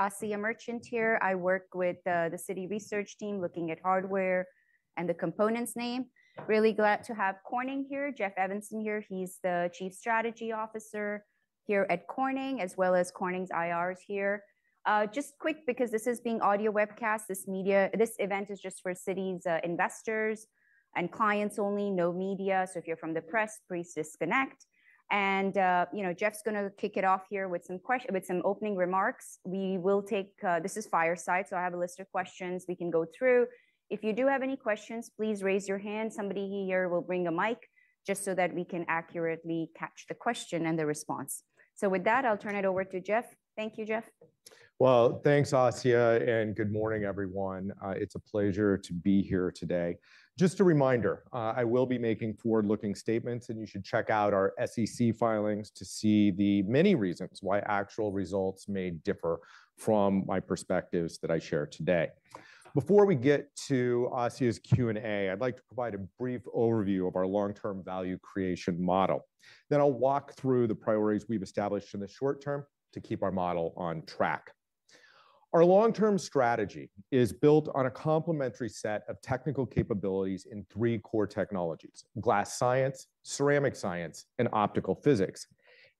Asiya Merchant here. I work with the Citi research team looking at hardware and the components team. Really glad to have Corning here. Jeff Evenson here, he's the Chief Strategy Officer here at Corning, as well as Corning's IR here. Just quick, because this is being audio webcast, this event is just for Citi's investors and clients only, no media. So if you're from the press, please disconnect. You know, Jeff's gonna kick it off here with some opening remarks. We will take, this is Fireside, so I have a list of questions we can go through. If you do have any questions, please raise your hand. Somebody here will bring a mic, just so that we can accurately catch the question and the response. So with that, I'll turn it over to Jeff. Thank you, Jeff. Well, thanks, Asiya, and good morning, everyone. It's a pleasure to be here today. Just a reminder, I will be making forward-looking statements, and you should check out our SEC filings to see the many reasons why actual results may differ from my perspectives that I share today. Before we get to Asiya's Q&A, I'd like to provide a brief overview of our long-term value creation model. Then I'll walk through the priorities we've established in the short term to keep our model on track. Our long-term strategy is built on a complementary set of technical capabilities in three core technologies: glass science, ceramic science, and optical physics.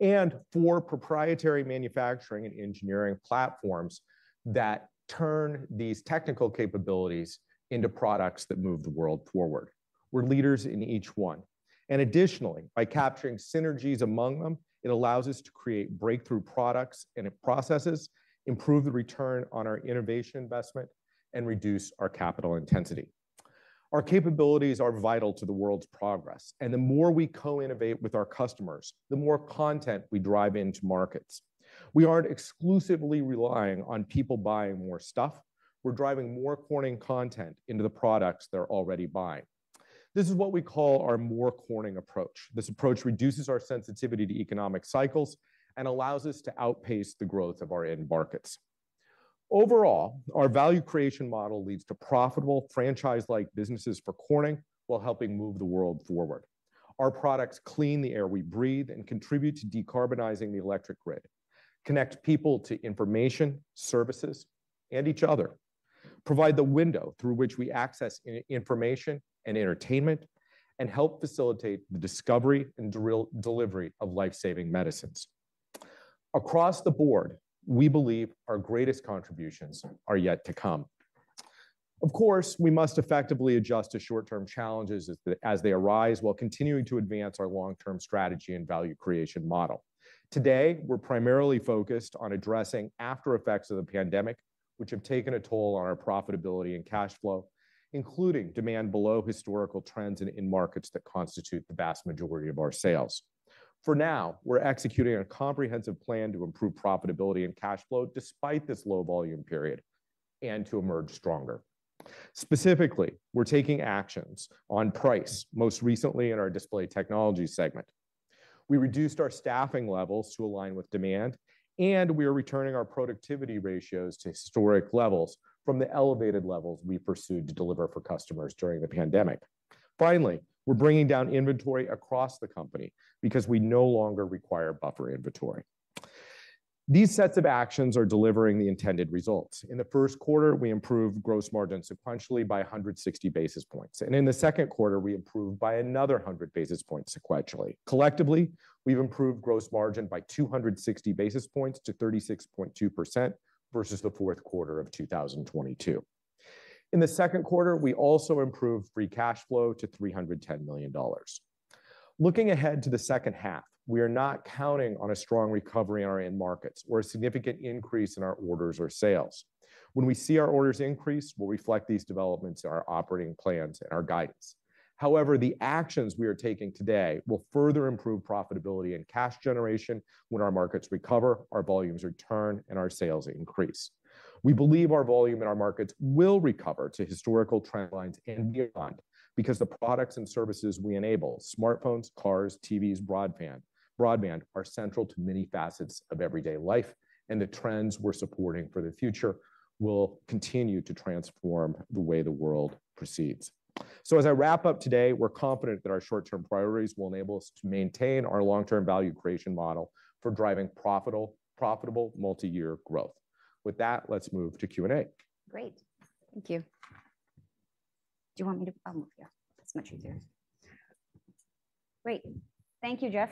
And four proprietary manufacturing and engineering platforms that turn these technical capabilities into products that move the world forward. We're leaders in each one, and additionally, by capturing synergies among them, it allows us to create breakthrough products and processes, improve the return on our innovation investment, and reduce our capital intensity. Our capabilities are vital to the world's progress, and the more we co-innovate with our customers, the more content we drive into markets. We aren't exclusively relying on people buying more stuff, we're driving More Corning content into the products they're already buying. This is what we call our More Corning approach. This approach reduces our sensitivity to economic cycles and allows us to outpace the growth of our end markets. Overall, our value creation model leads to profitable, franchise-like businesses for Corning, while helping move the world forward. Our products clean the air we breathe and contribute to decarbonizing the electric grid, connect people to information, services, and each other, provide the window through which we access information and entertainment, and help facilitate the discovery and delivery of life-saving medicines. Across the board, we believe our greatest contributions are yet to come. Of course, we must effectively adjust to short-term challenges as they arise, while continuing to advance our long-term strategy and value creation model. Today, we're primarily focused on addressing aftereffects of the pandemic, which have taken a toll on our profitability and cash flow, including demand below historical trends and in markets that constitute the vast majority of our sales. For now, we're executing a comprehensive plan to improve profitability and cash flow despite this low volume period, and to emerge stronger. Specifically, we're taking actions on price, most recently in our Display Technologies segment. We reduced our staffing levels to align with demand, and we are returning our productivity ratios to historic levels from the elevated levels we pursued to deliver for customers during the pandemic. Finally, we're bringing down inventory across the company because we no longer require buffer inventory. These sets of actions are delivering the intended results. In the first quarter, we improved gross margin sequentially by 160 basis points, and in the second quarter, we improved by another 100 basis points sequentially. Collectively, we've improved gross margin by 260 basis points to 36.2%, versus the fourth quarter of 2022. In the second quarter, we also improved free cash flow to $310 million. Looking ahead to the second half, we are not counting on a strong recovery in our end markets or a significant increase in our orders or sales. When we see our orders increase, we'll reflect these developments in our operating plans and our guidance. However, the actions we are taking today will further improve profitability and cash generation when our markets recover, our volumes return, and our sales increase. We believe our volume in our markets will recover to historical trend lines and beyond, because the products and services we enable, smartphones, cars, TVs, broadband, broadband, are central to many facets of everyday life, and the trends we're supporting for the future will continue to transform the way the world proceeds. So as I wrap up today, we're confident that our short-term priorities will enable us to maintain our long-term value creation model for driving profitable, profitable multi-year growth. With that, let's move to Q&A. Great. Thank you. Do you want me to. I'll move you. That's much easier. Great. Thank you, Jeff.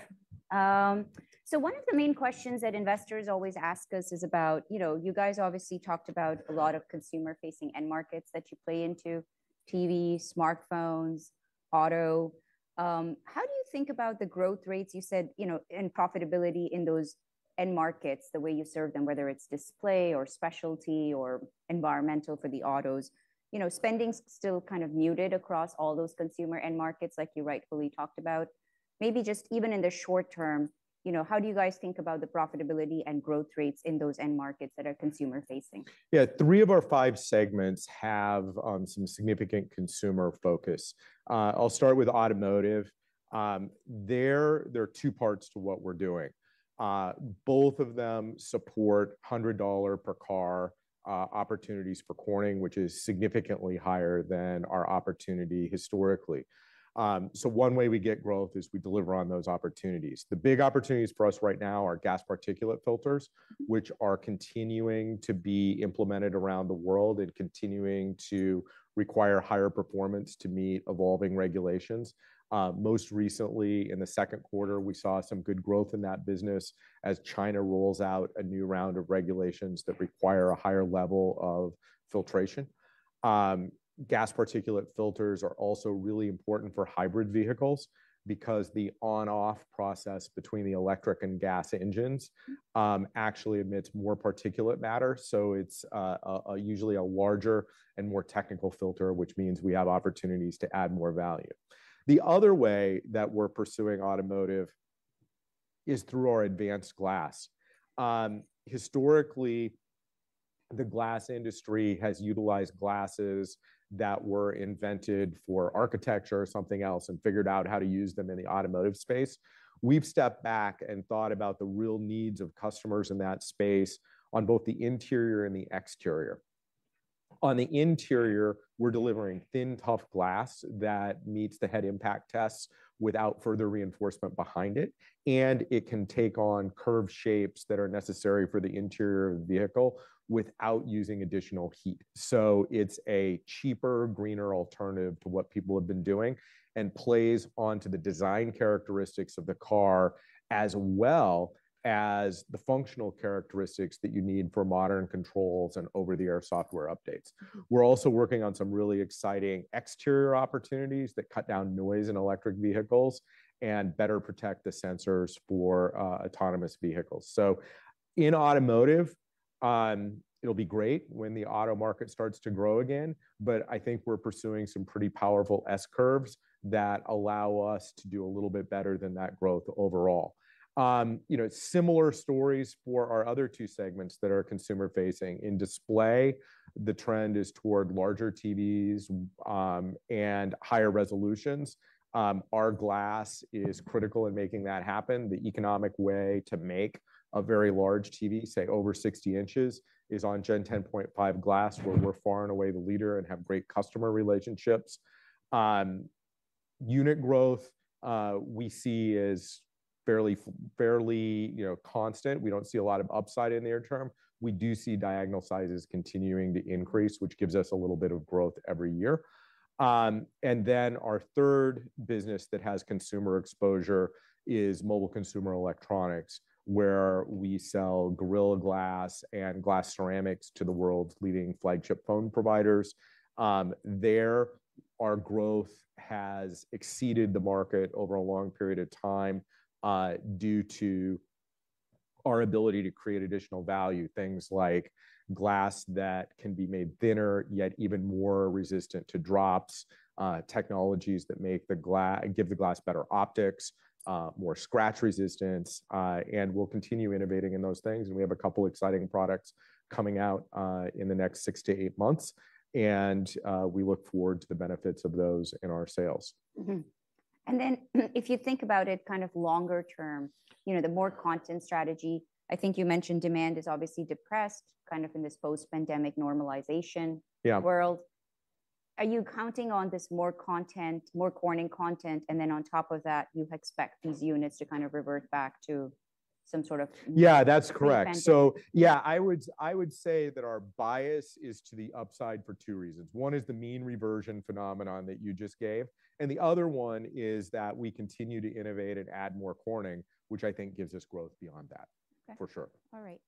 So one of the main questions that investors always ask us is about, you know, you guys obviously talked about a lot of consumer-facing end markets that you play into: TV, smartphones, auto. How do you think about the growth rates you said, you know, and profitability in those end markets, the way you serve them, whether it's display, or specialty, or environmental for the autos? You know, spending's still kind of muted across all those consumer end markets, like you rightfully talked about. Maybe just even in the short term, you know, how do you guys think about the profitability and growth rates in those end markets that are consumer-facing? Yeah, three of our five segments have some significant consumer focus. I'll start with automotive. There are two parts to what we're doing. Both of them support $100 per car opportunities for Corning, which is significantly higher than our opportunity historically. So one way we get growth is we deliver on those opportunities. The big opportunities for us right now are gas particulate filters, which are continuing to be implemented around the world and continuing to require higher performance to meet evolving regulations. Most recently, in the second quarter, we saw some good growth in that business as China rolls out a new round of regulations that require a higher level of filtration. Gas particulate filters are also really important for hybrid vehicles because the on/off process between the electric and gas engines actually emits more particulate matter. So it's usually a larger and more technical filter, which means we have opportunities to add more value. The other way that we're pursuing automotive is through our advanced glass. Historically, the glass industry has utilized glasses that were invented for architecture or something else and figured out how to use them in the automotive space. We've stepped back and thought about the real needs of customers in that space on both the interior and the exterior. On the interior, we're delivering thin, tough glass that meets the head impact tests without further reinforcement behind it, and it can take on curved shapes that are necessary for the interior of the vehicle without using additional heat. So it's a cheaper, greener alternative to what people have been doing and plays onto the design characteristics of the car, as well as the functional characteristics that you need for modern controls and over-the-air software updates. We're also working on some really exciting exterior opportunities that cut down noise in electric vehicles and better protect the sensors for autonomous vehicles. So in automotive, it'll be great when the auto market starts to grow again, but I think we're pursuing some pretty powerful S curves that allow us to do a little bit better than that growth overall. You know, similar stories for our other two segments that are consumer facing. In display, the trend is toward larger TVs and higher resolutions. Our glass is critical in making that happen. The economic way to make a very large TV, say, over 60 inches, is on Gen 10.5 glass, where we're far and away the leader and have great customer relationships. Unit growth, we see as fairly, you know, constant. We don't see a lot of upside in the near term. We do see diagonal sizes continuing to increase, which gives us a little bit of growth every year. And then our third business that has consumer exposure is Mobile Consumer Electronics, where we sell Gorilla Glass and glass ceramics to the world's leading flagship phone providers. Our growth has exceeded the market over a long period of time, due to our ability to create additional value, things like glass that can be made thinner, yet even more resistant to drops, technologies that give the glass better optics, more scratch resistance, and we'll continue innovating in those things, and we have a couple exciting products coming out, in the next six to eight months. And, we look forward to the benefits of those in our sales. Mm-hmm. And then, if you think about it, kind of longer term, you know, the more content strategy, I think you mentioned demand is obviously depressed, kind of in this post-pandemic normalization- Yeah -world. Are you counting on this more content, More Corning content, and then on top of that, you expect these units to kind of revert back to some sort of- Yeah, that's correct. Pre-pandemic. So yeah, I would say that our bias is to the upside for two reasons. One is the mean reversion phenomenon that you just gave, and the other one is that we continue to innovate and add More Corning, which I think gives us growth beyond that. Okay. For sure. All right.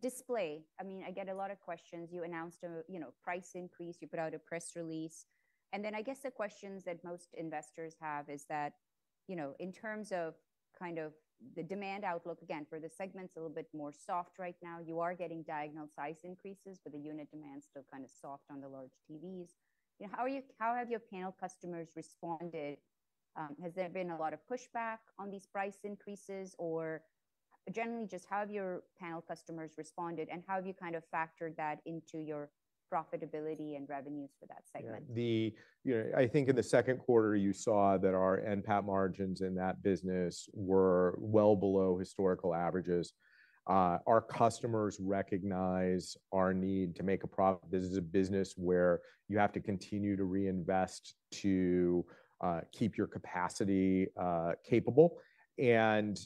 Display, I mean, I get a lot of questions. You announced a, you know, price increase, you put out a press release, and then I guess the questions that most investors have is that, you know, in terms of kind of the demand outlook, again, for the segments, a little bit more soft right now, you are getting diagonal size increases, but the unit demand is still kind of soft on the large TVs. You know, how are you, how have your panel customers responded? Has there been a lot of pushback on these price increases, or generally, just how have your panel customers responded, and how have you kind of factored that into your profitability and revenues for that segment? Yeah. Yeah, I think in the second quarter, you saw that our NPAT margins in that business were well below historical averages. Our customers recognize our need to make a profit. This is a business where you have to continue to reinvest to keep your capacity capable, and,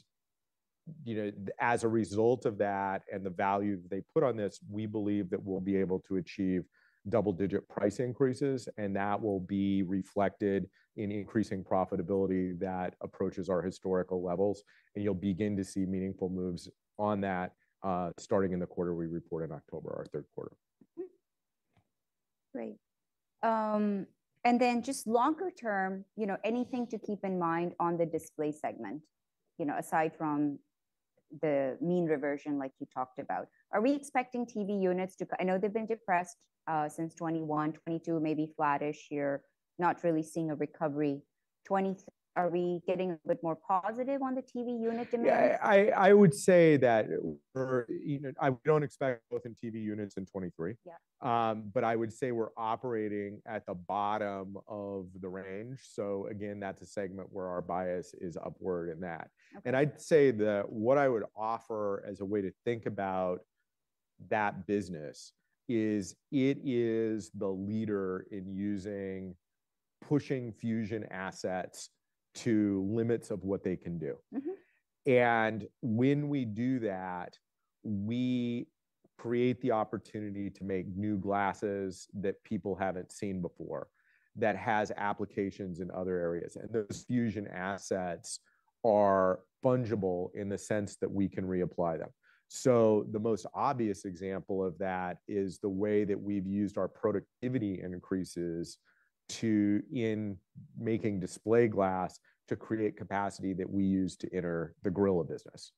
you know, as a result of that and the value they put on this, we believe that we'll be able to achieve double-digit price increases, and that will be reflected in increasing profitability that approaches our historical levels, and you'll begin to see meaningful moves on that, starting in the quarter we report in October, our third quarter. Mm-hmm. Great. And then just longer term, you know, anything to keep in mind on the display segment? You know, aside from the mean reversion, like you talked about. Are we expecting TV units, I know they've been depressed since 2021, 2022, maybe flattish year, not really seeing a recovery. Are we getting a bit more positive on the TV unit demands? Yeah, I would say that for unit, I don't expect growth in TV units in 2023. Yeah. But I would say we're operating at the bottom of the range. So again, that's a segment where our bias is upward in that. Okay. I'd say that what I would offer as a way to think about that business is it is the leader in using, pushing Fusion Assets to limits of what they can do. Mm-hmm. When we do that, we create the opportunity to make new glasses that people haven't seen before, that has applications in other areas. Those Fusion Assets are fungible in the sense that we can reapply them. The most obvious example of that is the way that we've used our productivity increases to, in making display glass, to create capacity that we use to enter the Gorilla business.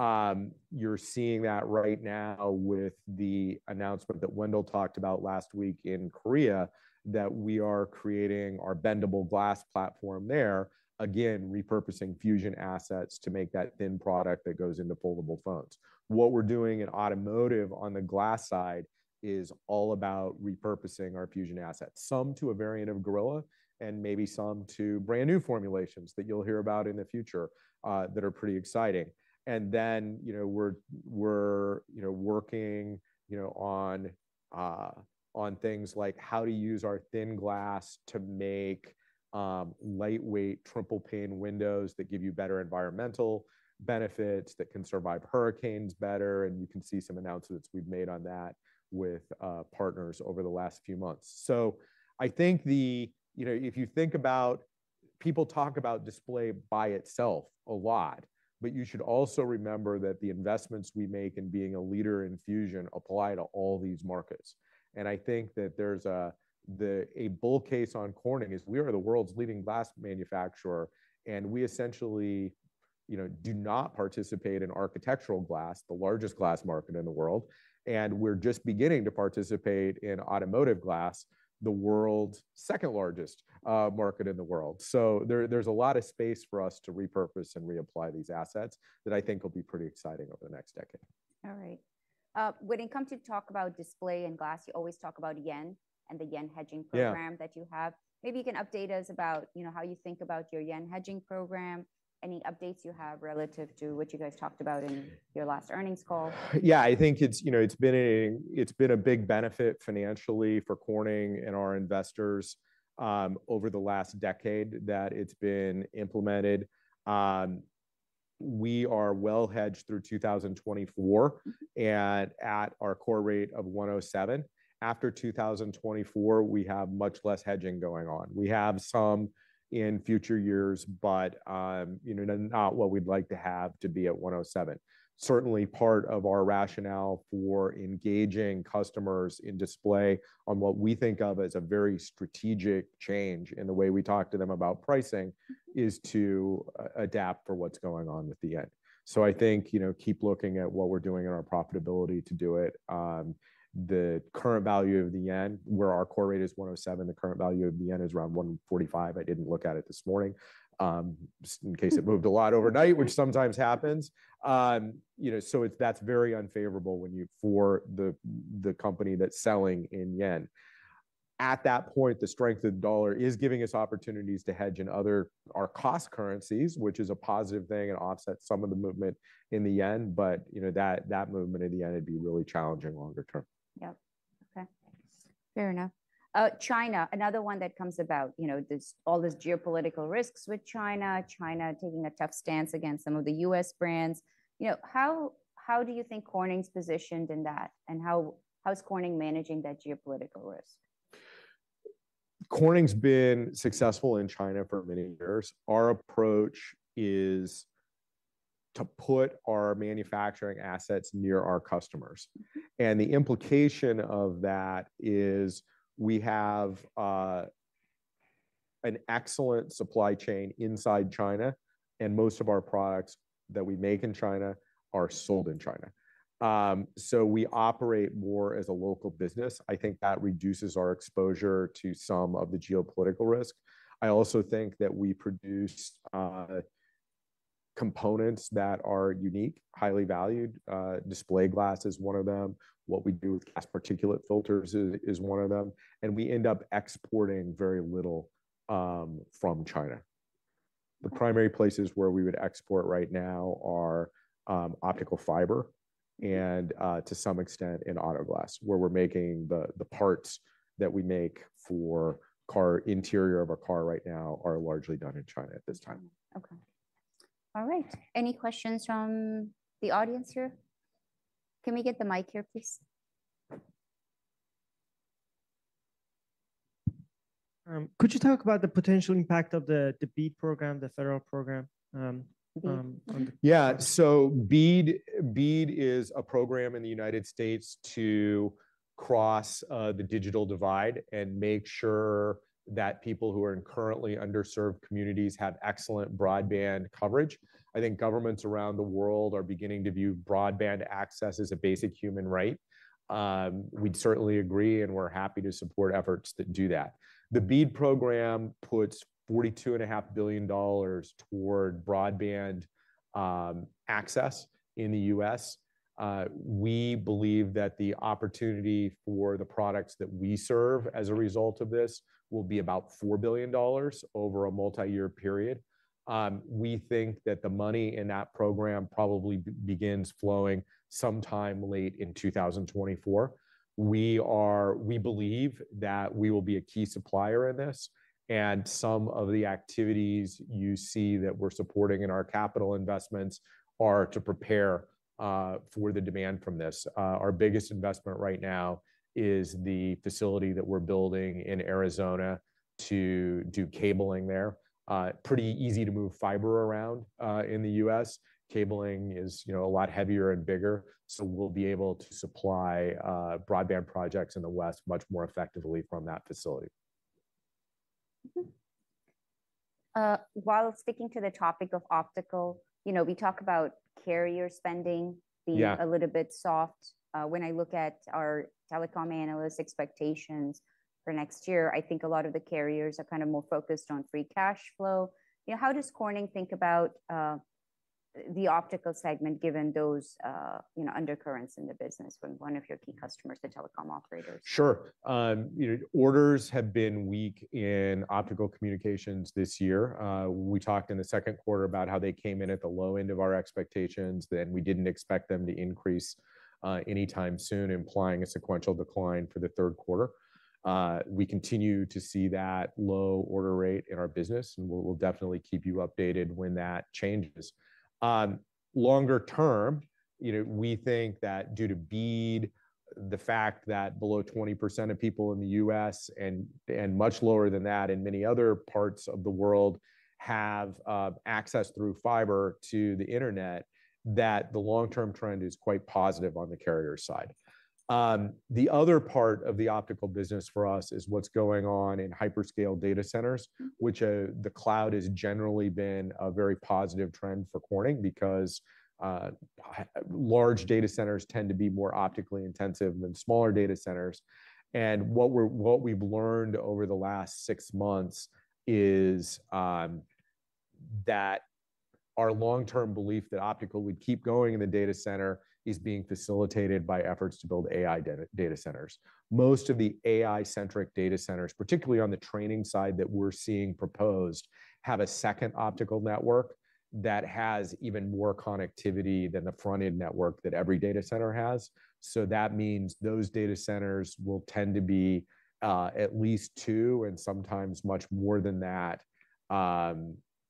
Mm-hmm. You're seeing that right now with the announcement that Wendell talked about last week in Korea, that we are creating our bendable glass platform there, again, repurposing Fusion Assets to make that thin product that goes into foldable phones. What we're doing in automotive on the glass side is all about repurposing our Fusion Assets, some to a variant of Gorilla, and maybe some to brand-new formulations that you'll hear about in the future, that are pretty exciting. And then, you know, we're, we're, you know, working, you know, on, on things like how to use our thin glass to make, lightweight triple pane windows that give you better environmental benefits, that can survive hurricanes better, and you can see some announcements we've made on that with, partners over the last few months. So I think the... You know, if you think about, people talk about display by itself a lot, but you should also remember that the investments we make in being a leader in fusion apply to all these markets. And I think that there's a bull case on Corning is we are the world's leading glass manufacturer, and we essentially, you know, do not participate in architectural glass, the largest glass market in the world, and we're just beginning to participate in automotive glass, the world's second-largest market in the world. So there's a lot of space for us to repurpose and reapply these assets that I think will be pretty exciting over the next decade. All right. When it come to talk about display and glass, you always talk about yen and the yen hedging program- Yeah... that you have. Maybe you can update us about, you know, how you think about your yen hedging program, any updates you have relative to what you guys talked about in your last earnings call? Yeah, I think it's, you know, it's been a big benefit financially for Corning and our investors over the last decade that it's been implemented. We are well hedged through 2024, and at our core rate of 107. After 2024, we have much less hedging going on. We have some in future years, but, you know, not what we'd like to have to be at 107. Certainly, part of our rationale for engaging customers in display on what we think of as a very strategic change in the way we talk to them about pricing, is to adapt for what's going on with the yen. So I think, you know, keep looking at what we're doing in our profitability to do it. The current value of the yen, where our core rate is 107, the current value of the yen is around 145. I didn't look at it this morning, just in case it moved a lot overnight, which sometimes happens. You know, so it's, that's very unfavorable when you for the, the company that's selling in yen. At that point, the strength of the dollar is giving us opportunities to hedge in other, our cost currencies, which is a positive thing and offsets some of the movement in the yen, but, you know, that, that movement in the yen, it'd be really challenging longer term. Yep. Okay, thanks. Fair enough. China, another one that comes about, you know, this, all these geopolitical risks with China, China taking a tough stance against some of the U.S. brands. You know, how, how do you think Corning's positioned in that, and how, how is Corning managing that geopolitical risk? Corning's been successful in China for many years. Our approach is to put our manufacturing assets near our customers. The implication of that is we have an excellent supply chain inside China, and most of our products that we make in China are sold in China. We operate more as a local business. I think that reduces our exposure to some of the geopolitical risk. I also think that we produce components that are unique, highly valued display glass is one of them. What we do with gas particulate filters is one of them, and we end up exporting very little from China. The primary places where we would export right now are optical fiber and, to some extent, in auto glass, where we're making the parts that we make for car interior of a car right now are largely done in China at this time. Okay. All right. Any questions from the audience here? Can we get the mic here, please? Could you talk about the potential impact of the, the BEAD program, the federal program, on the- Yeah. So BEAD, BEAD is a program in the United States to cross the digital divide and make sure that people who are in currently underserved communities have excellent broadband coverage. I think governments around the world are beginning to view broadband access as a basic human right. We'd certainly agree, and we're happy to support efforts that do that. The BEAD program puts $42.5 billion toward broadband access in the U.S. We believe that the opportunity for the products that we serve as a result of this will be about $4 billion over a multi-year period. We think that the money in that program probably begins flowing sometime late in 2024. We believe that we will be a key supplier in this, and some of the activities you see that we're supporting in our capital investments are to prepare for the demand from this. Our biggest investment right now is the facility that we're building in Arizona to do cabling there. Pretty easy to move fiber around in the U.S. Cabling is, you know, a lot heavier and bigger, so we'll be able to supply broadband projects in the West much more effectively from that facility. While sticking to the topic of optical, you know, we talk about carrier spending- Yeah. being a little bit soft. When I look at our telecom analyst expectations for next year, I think a lot of the carriers are kind of more focused on free cash flow. You know, how does Corning think about the optical segment, given those, you know, undercurrents in the business when one of your key customers is a telecom operator? Sure. You know, orders have been weak in Optical Communications this year. We talked in the second quarter about how they came in at the low end of our expectations, then we didn't expect them to increase anytime soon, implying a sequential decline for the third quarter. We continue to see that low order rate in our business, and we'll, we'll definitely keep you updated when that changes. Longer term, you know, we think that due to BEAD, the fact that below 20% of people in the U.S. and, and much lower than that in many other parts of the world, have access through fiber to the internet, that the long-term trend is quite positive on the carrier side. The other part of the optical business for us is what's going on in hyperscale data centers, which the cloud has generally been a very positive trend for Corning because large data centers tend to be more optically intensive than smaller data centers. And what we've learned over the last six months is that our long-term belief that optical would keep going in the data center is being facilitated by efforts to build AI data centers. Most of the AI-centric data centers, particularly on the training side, that we're seeing proposed, have a second optical network that has even more connectivity than the front-end network that every data center has. So that means those data centers will tend to be at least two, and sometimes much more than that,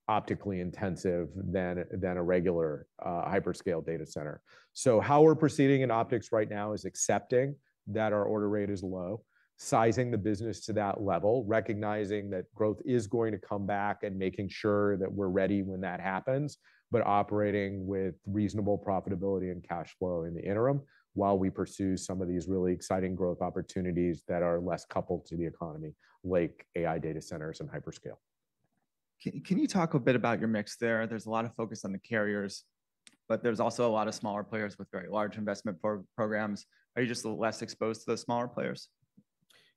optically intensive than a regular hyperscale data center. So how we're proceeding in optics right now is accepting that our order rate is low, sizing the business to that level, recognizing that growth is going to come back, and making sure that we're ready when that happens, but operating with reasonable profitability and cash flow in the interim, while we pursue some of these really exciting growth opportunities that are less coupled to the economy, like AI data centers and hyperscale. Can you talk a bit about your mix there? There's a lot of focus on the carriers, but there's also a lot of smaller players with very large investment programs. Are you just less exposed to the smaller players?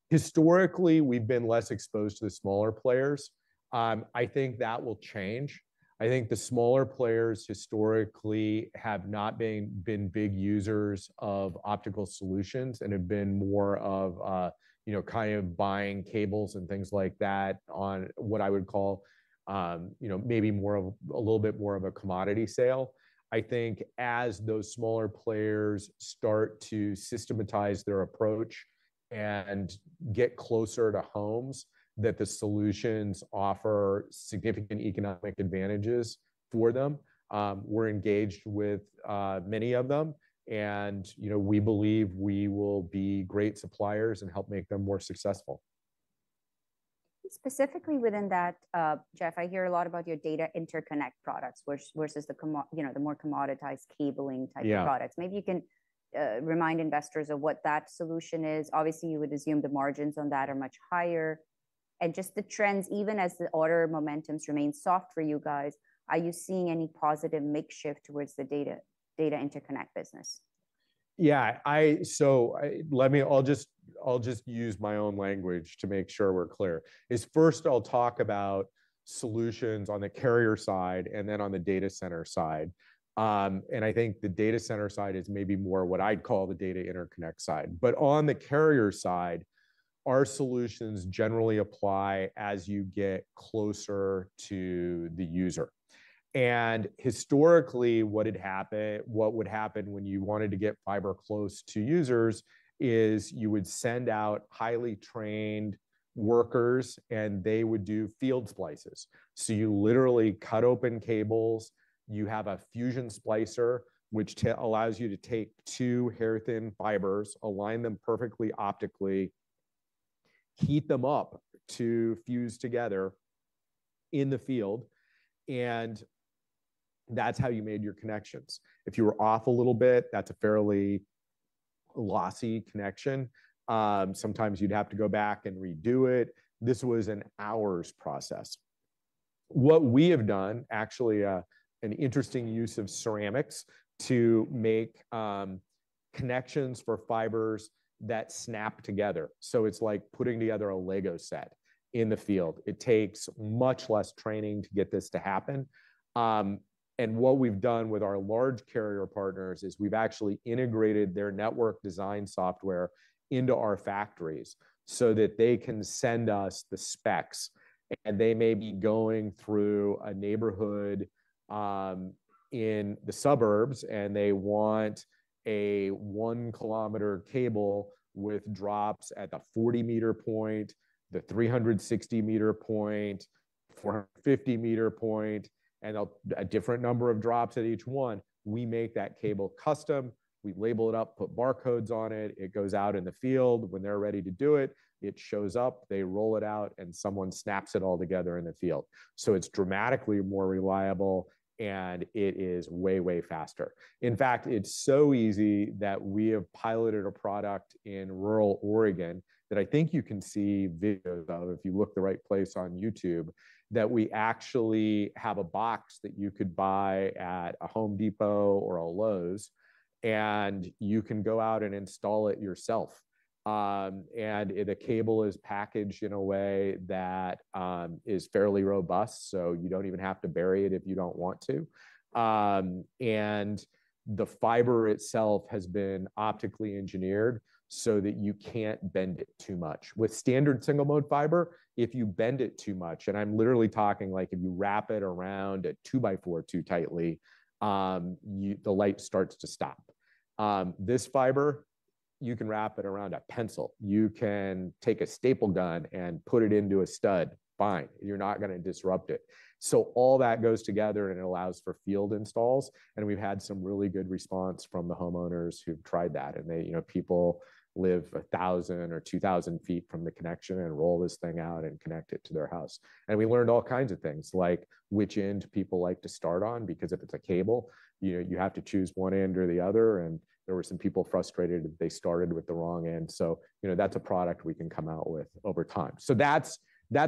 Historically, we've been less exposed to the smaller players. I think that will change. I think the smaller players historically have not been big users of optical solutions and have been more of, you know, kind of buying cables and things like that on what I would call, maybe a little bit more of a commodity sale. I think as those smaller players start to systematize their approach and get closer to homes, that the solutions offer significant economic advantages for them. We're engaged with many of them, and, you know, we believe we will be great suppliers and help make them more successful. Specifically within that, Jeff, I hear a lot about your data interconnect products versus you know the more commoditized cabling- Yeah -type of products. Maybe you can remind investors of what that solution is. Obviously, you would assume the margins on that are much higher. And just the trends, even as the order momentums remain soft for you guys, are you seeing any positive mix shift towards the data, data interconnect business? Yeah, so I'll just use my own language to make sure we're clear. So first I'll talk about solutions on the carrier side and then on the data center side. And I think the data center side is maybe more what I'd call the data interconnect side. But on the carrier side, our solutions generally apply as you get closer to the user. And historically, what would happen when you wanted to get fiber close to users is you would send out highly trained workers, and they would do field splices. So you literally cut open cables, you have a fusion splicer, which allows you to take two hair-thin fibers, align them perfectly optically, heat them up to fuse together in the field, and that's how you made your connections. If you were off a little bit, that's a fairly lossy connection. Sometimes you'd have to go back and redo it. This was an hour's process. What we have done, actually, an interesting use of ceramics to make connections for fibers that snap together. So it's like putting together a Lego set in the field. It takes much less training to get this to happen. And what we've done with our large carrier partners is we've actually integrated their network design software into our factories so that they can send us the specs, and they may be going through a neighborhood in the suburbs, and they want a 1-kilometer cable with drops at the 40-meter point, the 360-meter point, 450-meter point, and a different number of drops at each one. We make that cable custom. We label it up, put barcodes on it, it goes out in the field. When they're ready to do it, it shows up, they roll it out, and someone snaps it all together in the field. So it's dramatically more reliable, and it is way, way faster. In fact, it's so easy that we have piloted a product in rural Oregon that I think you can see videos of, if you look the right place on YouTube, that we actually have a box that you could buy at a Home Depot or a Lowe's, and you can go out and install it yourself. And the cable is packaged in a way that is fairly robust, so you don't even have to bury it if you don't want to. And the fiber itself has been optically engineered so that you can't bend it too much. With standard single-mode fiber, if you bend it too much, and I'm literally talking, like, if you wrap it around a two-by-four too tightly, the light starts to stop. This fiber, you can wrap it around a pencil. You can take a staple gun and put it into a stud. Fine, you're not gonna disrupt it. So all that goes together, and it allows for field installs, and we've had some really good response from the homeowners who've tried that. And they, you know, people live 1,000 feet or 2,000 feet from the connection and roll this thing out and connect it to their house. We learned all kinds of things, like which end people like to start on, because if it's a cable, you know, you have to choose one end or the other, and there were some people frustrated that they started with the wrong end. So, you know, that's a product we can come out with over time. So that's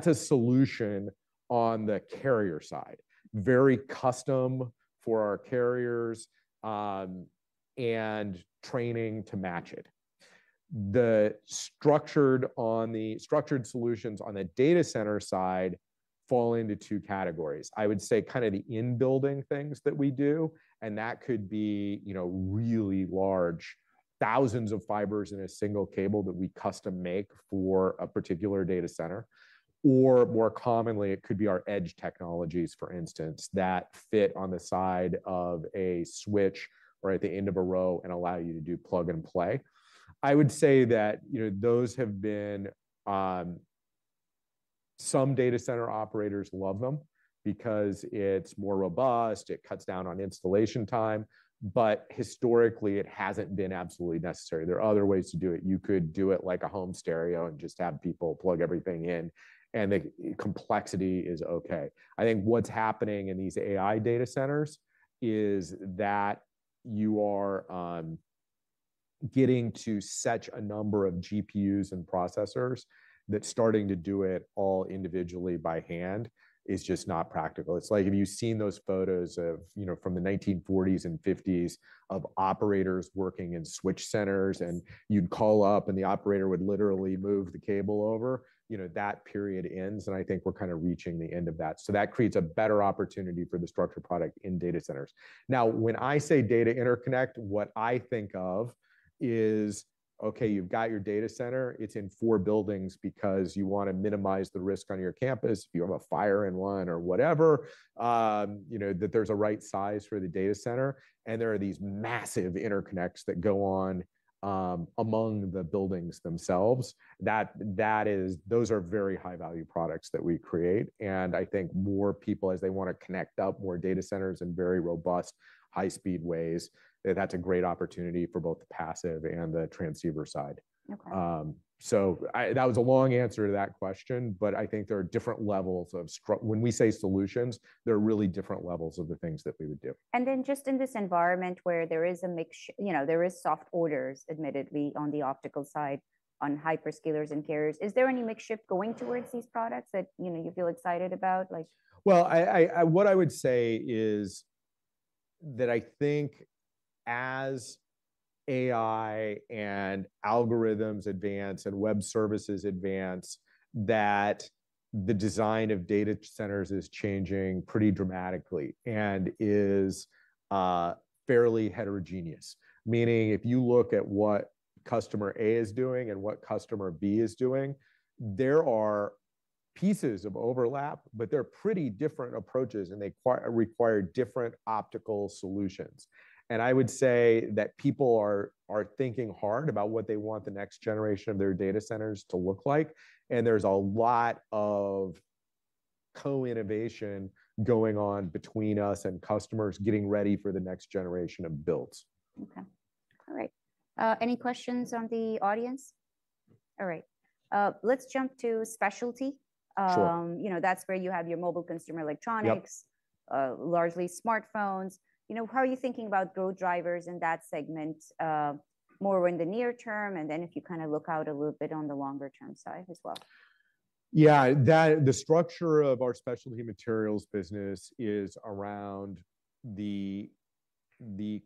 a solution on the carrier side. Very custom for our carriers, and training to match it. The structured solutions on the data center side fall into two categories. I would say kind of the in-building things that we do, and that could be, you know, really large, thousands of fibers in a single cable that we custom make for a particular data center, or more commonly, it could be our edge technologies, for instance, that fit on the side of a switch or at the end of a row and allow you to do plug-and-play. I would say that, you know, those have been. Some data center operators love them because it's more robust, it cuts down on installation time, but historically, it hasn't been absolutely necessary. There are other ways to do it. You could do it like a home stereo and just have people plug everything in, and the complexity is okay. I think what's happening in these AI data centers is that you are getting to such a number of GPUs and processors that starting to do it all individually by hand is just not practical. It's like if you've seen those photos of, you know, from the 1940s and 1950s of operators working in switch centers, and you'd call up, and the operator would literally move the cable over. You know, that period ends, and I think we're kind of reaching the end of that. So that creates a better opportunity for the structured product in data centers. Now, when I say data interconnect, what I think of is, okay, you've got your data center, it's in four buildings because you want to minimize the risk on your campus if you have a fire in one or whatever. You know, that there's a right size for the data center, and there are these massive interconnects that go on, among the buildings themselves. That, that is, those are very high-value products that we create, and I think more people, as they want to connect up more data centers in very robust, high-speed ways, that's a great opportunity for both the passive and the transceiver side. Okay. So, that was a long answer to that question, but I think there are different levels of when we say solutions, there are really different levels of the things that we would do. And then just in this environment where there is a mix, you know, there is soft orders, admittedly, on the optical side, on hyperscalers and carriers, is there any mix shift going towards these products that, you know, you feel excited about, like? Well, what I would say is that I think as AI and algorithms advance and web services advance, that the design of data centers is changing pretty dramatically and is fairly heterogeneous. Meaning, if you look at what customer A is doing and what customer B is doing, there are pieces of overlap, but they're pretty different approaches, and they require different optical solutions. And I would say that people are thinking hard about what they want the next generation of their data centers to look like, and there's a lot of co-innovation going on between us and customers getting ready for the next generation of builds. Okay. All right. Any questions on the audience? All right, let's jump to specialty. Sure. You know, that's where you have your Mobile Consumer Electronics- Yep. Largely smartphones. You know, how are you thinking about growth drivers in that segment, more in the near term, and then if you kind of look out a little bit on the longer-term side as well? Yeah, that the structure of our specialty materials business is around the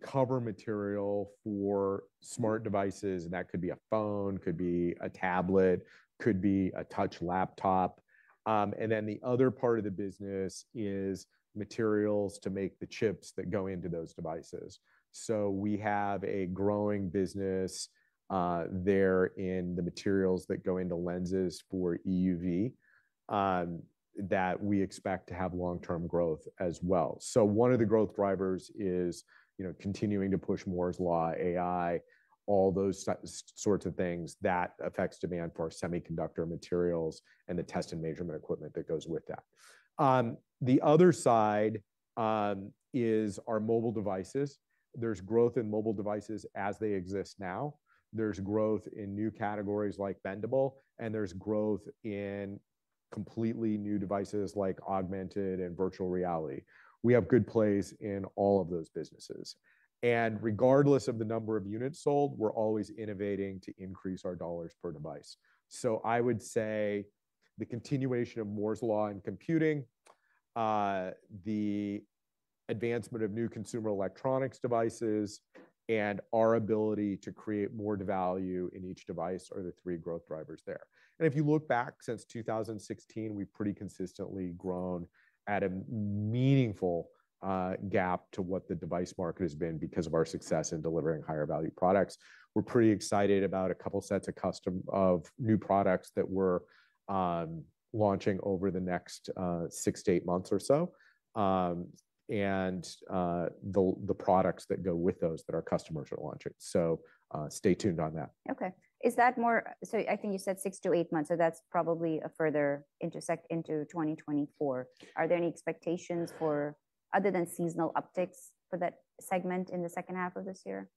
cover material for smart devices, and that could be a phone, could be a tablet, could be a touch laptop. And then the other part of the business is materials to make the chips that go into those devices. So we have a growing business there in the materials that go into lenses for EUV that we expect to have long-term growth as well. So one of the growth drivers is, you know, continuing to push Moore's Law, AI, all those sorts of things that affects demand for semiconductor materials and the test and measurement equipment that goes with that. The other side is our mobile devices. There's growth in mobile devices as they exist now. There's growth in new categories like bendable, and there's growth in completely new devices like augmented and virtual reality. We have good plays in all of those businesses, and regardless of the number of units sold, we're always innovating to increase our dollars per device. So I would say the continuation of Moore's Law in computing, the advancement of new consumer electronics devices, and our ability to create more value in each device are the three growth drivers there. And if you look back since 2016, we've pretty consistently grown at a meaningful gap to what the device market has been because of our success in delivering higher value products. We're pretty excited about a couple sets of new products that we're launching over the next six-eight months or so, and the products that go with those that our customers are launching. So, stay tuned on that. Okay. Is that more? So I think you said six-eight months, so that's probably a further intersect into 2024. Are there any expectations for, other than seasonal upticks, for that segment in the second half of this year?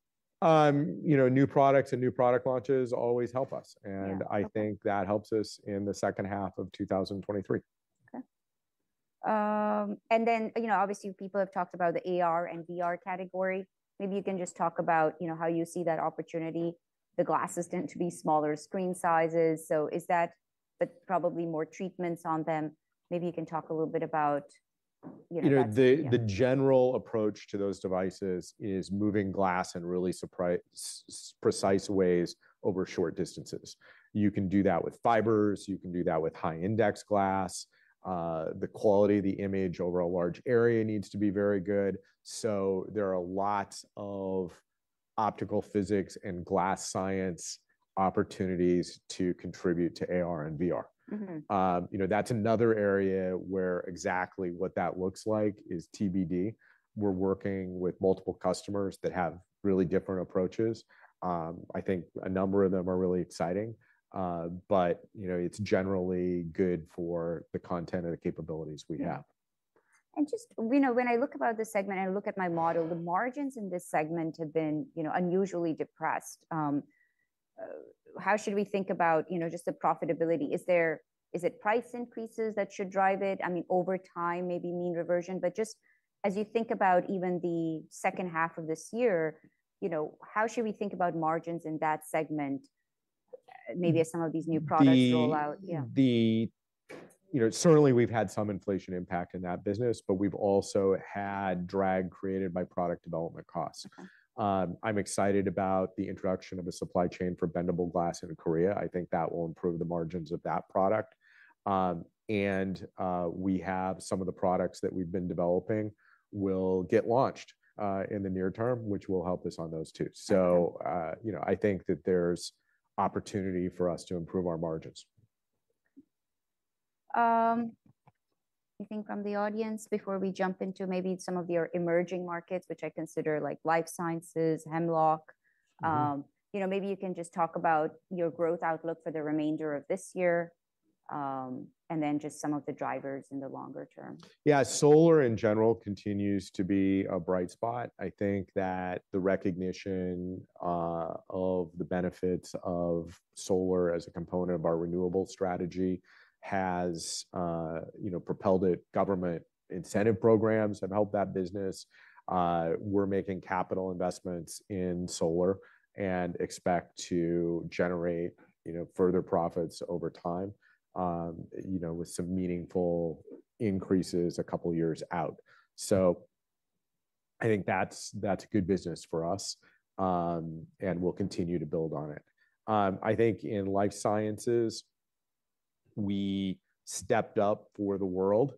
You know, new products and new product launches always help us. Yeah, okay. I think that helps us in the second half of 2023. Okay. And then, you know, obviously, people have talked about the AR and VR category. Maybe you can just talk about, you know, how you see that opportunity. The glasses tend to be smaller screen sizes, so is that, but probably more treatments on them. Maybe you can talk a little bit about, you know, that's, yeah. You know, the general approach to those devices is moving glass in really precise ways over short distances. You can do that with fibers, you can do that with high index glass. The quality of the image over a large area needs to be very good. So there are lots of optical physics and glass science opportunities to contribute to AR and VR. Mm-hmm. You know, that's another area where exactly what that looks like is TBD. We're working with multiple customers that have really different approaches. I think a number of them are really exciting, but, you know, it's generally good for the content and the capabilities we have. Yeah. Just, you know, when I look about this segment, I look at my model, the margins in this segment have been, you know, unusually depressed. How should we think about, you know, just the profitability? Is there? Is it price increases that should drive it? I mean, over time, maybe mean reversion. But just as you think about even the second half of this year, you know, how should we think about margins in that segment, maybe as some of these new products roll out? The- Yeah. You know, certainly we've had some inflation impact in that business, but we've also had drag created by product development costs. I'm excited about the introduction of a supply chain for bendable glass in Korea. I think that will improve the margins of that product. And we have some of the products that we've been developing will get launched in the near term, which will help us on those too. Okay. So, you know, I think that there's opportunity for us to improve our margins. Anything from the audience before we jump into maybe some of your emerging markets, which I consider like life sciences, Hemlock? Mm-hmm. You know, maybe you can just talk about your growth outlook for the remainder of this year, and then just some of the drivers in the longer term. Yeah, solar in general continues to be a bright spot. I think that the recognition of the benefits of solar as a component of our renewable strategy has, you know, propelled it. Government incentive programs have helped that business. We're making capital investments in solar and expect to generate, you know, further profits over time, with some meaningful increases a couple of years out. So I think that's, that's good business for us, and we'll continue to build on it. I think in life sciences, we stepped up for the world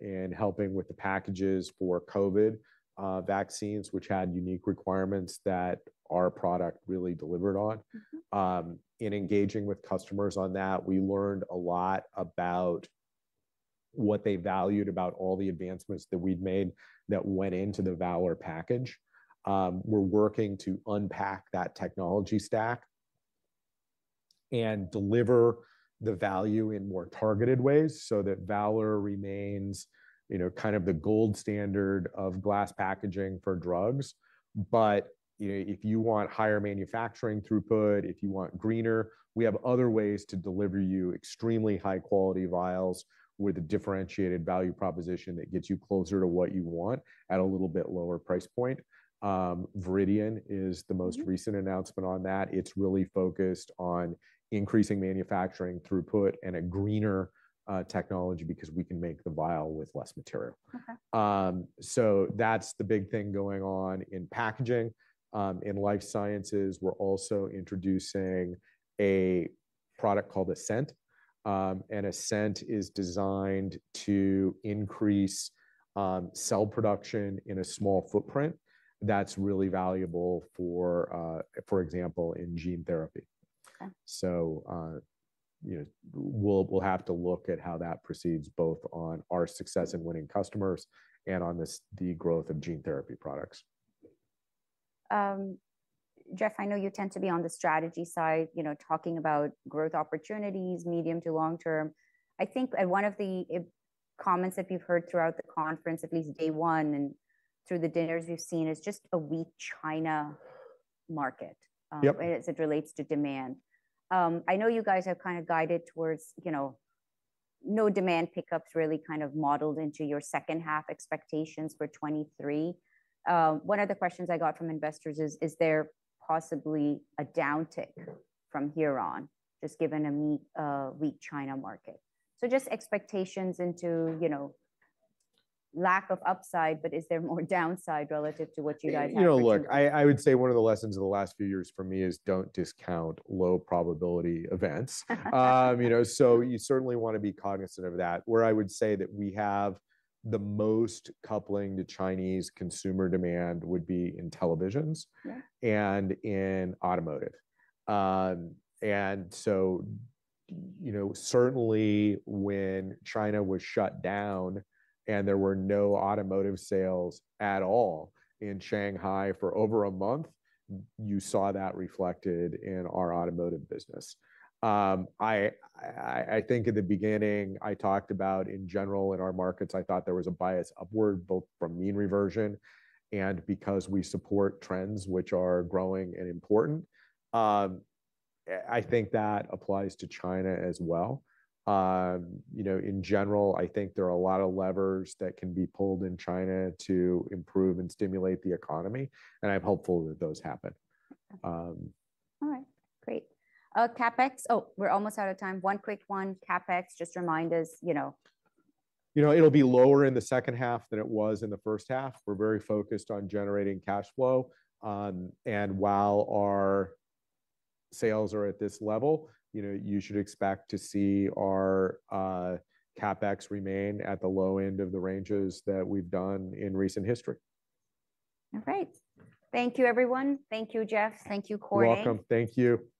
in helping with the packages for COVID vaccines, which had unique requirements that our product really delivered on. Mm-hmm. In engaging with customers on that, we learned a lot about what they valued about all the advancements that we'd made that went into the Valor package. We're working to unpack that technology stack and deliver the value in more targeted ways so that Valor remains, you know, kind of the gold standard of glass packaging for drugs. But, you know, if you want higher manufacturing throughput, if you want greener, we have other ways to deliver you extremely high quality vials with a differentiated value proposition that gets you closer to what you want at a little bit lower price point. Viridian- Mm-hmm... is the most recent announcement on that. It's really focused on increasing manufacturing throughput and a greener technology because we can make the vial with less material. Okay. That's the big thing going on in packaging. In life sciences, we're also introducing a product called Ascent. Ascent is designed to increase cell production in a small footprint. That's really valuable for, for example, in gene therapy. Okay. So, you know, we'll, we'll have to look at how that proceeds, both on our success in winning customers and on this, the growth of gene therapy products. Jeff, I know you tend to be on the strategy side, you know, talking about growth opportunities, medium to long term. I think, and one of the comments that we've heard throughout the conference, at least day one, and through the dinners we've seen, is just a weak China market- Yep. As it relates to demand. I know you guys have kind of guided towards, you know, no demand pickups really kind of modeled into your second half expectations for 2023. One of the questions I got from investors is, is there possibly a downtick from here on, just given a weak China market? So just expectations into, you know, lack of upside, but is there more downside relative to what you guys had for 2024? You know, look, I would say one of the lessons of the last few years for me is don't discount low probability events. You know, so you certainly want to be cognizant of that. Where I would say that we have the most coupling to Chinese consumer demand would be in televisions- Yeah... and in automotive. And so, you know, certainly when China was shut down and there were no automotive sales at all in Shanghai for over a month, you saw that reflected in our automotive business. I think in the beginning, I talked about, in general, in our markets, I thought there was a bias upward, both from mean reversion and because we support trends which are growing and important. I think that applies to China as well. You know, in general, I think there are a lot of levers that can be pulled in China to improve and stimulate the economy, and I'm hopeful that those happen. Okay. Um... All right, great. CapEx. Oh, we're almost out of time. One quick one, CapEx, just remind us, you know. You know, it'll be lower in the second half than it was in the first half. We're very focused on generating cash flow. While our sales are at this level, you know, you should expect to see our CapEx remain at the low end of the ranges that we've done in recent history. All right. Thank you, everyone. Thank you, Jeff. Thank you, Corey. You're welcome. Thank you. Hope-